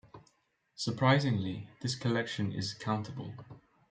Surprisingly, this collection is countable.